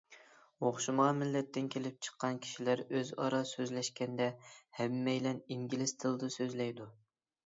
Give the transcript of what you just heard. ئوخشىمىغان مىللەتتىن كېلىپ چىققان كىشىلەر ئۆزئارا سۆزلەشكەندە، ھەممەيلەن ئىنگلىز تىلىدا سۆزلەيدۇ.